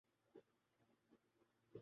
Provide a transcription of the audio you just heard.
کیسی تاویلیں دینا شروع ہو گئے ہیں۔